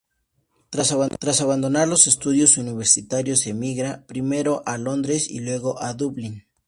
Tras abandonar los estudios universitarios emigra, primero a Londres y luego a Dublín.